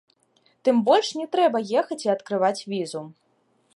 Тым больш не трэба ехаць і адкрываць візу.